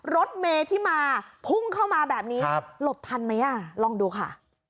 รถเมที่มาพุ่งเข้ามาแบบนี้หลบทันไหมอ่ะลองดูค่ะ